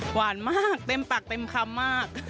หวานมากเต็มปากเต็มคำมาก